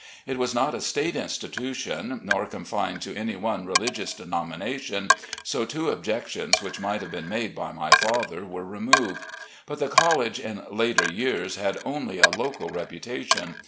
It was not a State institution, nor confined to any one religious denomination, so two objections which might have been made by my father were removed. But the college in later years had only a local reputation.